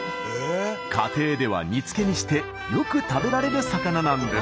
家庭では煮付けにしてよく食べられる魚なんです。